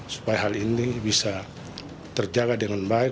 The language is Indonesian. supaya hal ini bisa terjaga dengan baik